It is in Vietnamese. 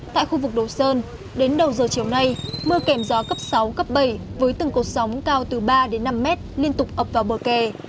tại khu vực đồ sơn đến đầu giờ chiều nay mưa kèm gió cấp sáu cấp bảy với từng cột sóng cao từ ba đến năm mét liên tục ập vào bờ kè